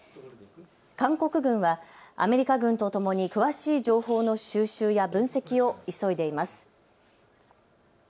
韓国軍はアメリカ軍とともに詳しい情報の収集や分析を急いでいます。